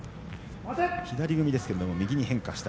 左組みですけど右に変化しました。